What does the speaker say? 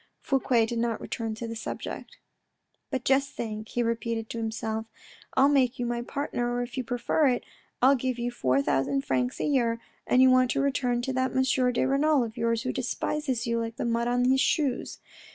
Fouque did not return to the subject. " But just think," he repeated to him, " I'll make you my partner, or if you prefer it, I'll give you four thousand francs a year, and you want to return to that M. de Renal of yours, who despises you like the mud on his shoes.